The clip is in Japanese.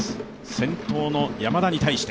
先頭の山田に対して。